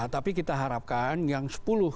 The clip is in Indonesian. tapi kita harapkan yang sepuluh